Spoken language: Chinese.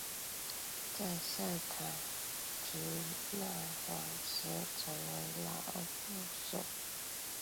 在塞塔提腊王时成为老挝首都。